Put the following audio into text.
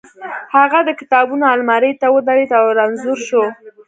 هغه د کتابونو المارۍ ته ودرېد او رنځور شو